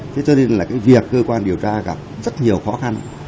thế cho nên là cái việc cơ quan điều tra gặp rất nhiều khó khăn